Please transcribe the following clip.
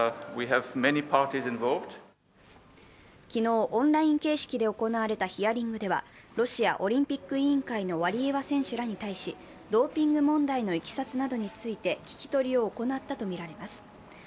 昨日、オンライン形式で行われたヒアリングではロシアオリンピック委員会のワリエワ選手らに対しドーピング問題のいきさつなどについて聞き取りを行ったとみられます。